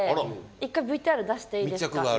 １回ＶＴＲ出していいですか？